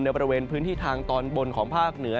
บริเวณพื้นที่ทางตอนบนของภาคเหนือ